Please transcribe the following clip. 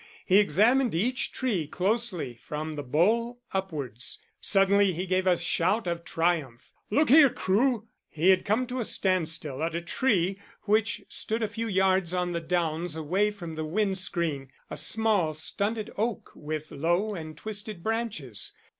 He examined each tree closely from the bole upwards. Suddenly he gave a shout of triumph. "Look here, Crewe." He had come to a standstill at a tree which stood a few yards on the downs away from the wind screen a small stunted oak with low and twisted branches.